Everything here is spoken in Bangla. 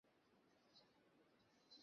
তুমি কি রাশিয়াতে বিয়ে করেছিলে?